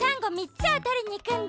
つをとりにいくんだ。